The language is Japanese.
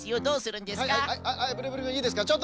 どうするんですか？